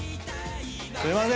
すいません。